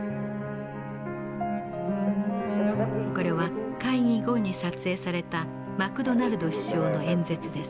これは会議後に撮影されたマクドナルド首相の演説です。